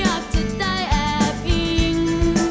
อยากจะได้แอบอิง